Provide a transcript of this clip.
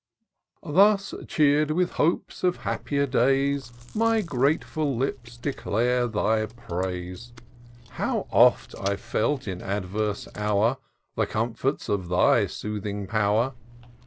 Thus, cheer'd with hopes of happier days, My grateful lips declare thy praise. How oft I've felt, in adverse hour. The comforts of thy soothing power!